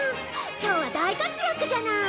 今日は大活躍じゃない。